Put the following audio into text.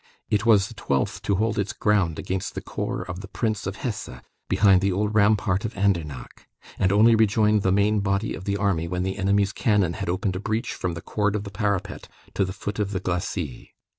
It was the twelfth to hold its ground against the corps of the Prince of Hesse, behind the old rampart of Andernach, and only rejoined the main body of the army when the enemy's cannon had opened a breach from the cord of the parapet to the foot of the glacis.